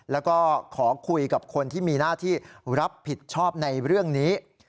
แล้วก็ขอคุยกับคนที่มีหน้าที่รับผิดชอบในเรื่องนี้